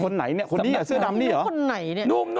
หนูออกไหมเหมือนสวยดำนี้หรอ